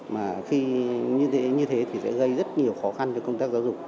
mà khi như thế thì sẽ gây rất nhiều khó khăn cho công tác giáo dục